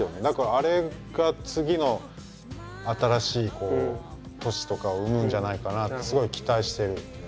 だからあれが次の新しい都市とかを生むんじゃないかなってすごい期待してる。